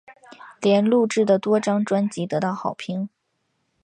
莲录制的多张专辑得到好评。